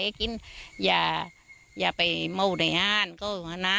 ให้กินอย่าไปเมาไหนร่าง